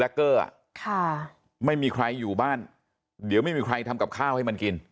เกอร์ค่ะไม่มีใครอยู่บ้านเดี๋ยวไม่มีใครทำกับข้าวให้มันกิน